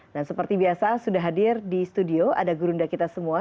dan seperti biasa sudah hadir di studio ada gurunda kita semua